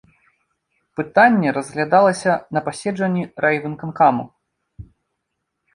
Пытанне разглядалася на паседжанні райвыканкаму.